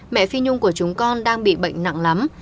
mẹ phi nhung của chúng con đang bị bệnh nặng lắm